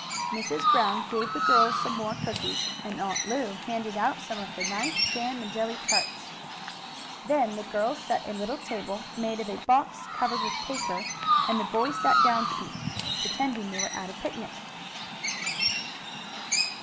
Mrs. Brown gave the girls some more cookies, and Aunt Lu handed out some of her nice jam and jelly tarts. Then the girls set a little table, made of a box covered with paper, and the boys sat down to eat, pretending they were at a picnic.